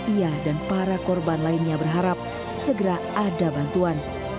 ia dan para korban lainnya berharap segera ada bantuan